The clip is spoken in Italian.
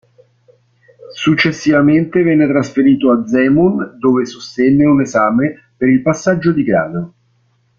Successivamente venne trasferito a Zemun, dove sostenne un esame per il passaggio di grado.